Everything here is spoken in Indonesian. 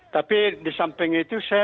tapi di samping itu saya